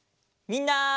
みんな！